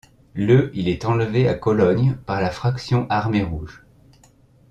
Le il est enlevé à Cologne par la Fraction armée rouge.